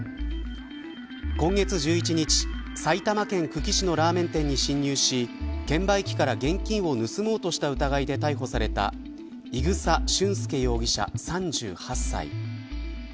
今月１１日、埼玉県久喜市のラーメン店に侵入し券売機から現金を盗もうとした疑いで逮捕された伊草俊輔容疑者３８歳。